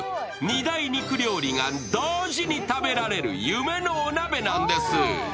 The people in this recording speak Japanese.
二大肉料理が同時に食べられる夢のお鍋なんです。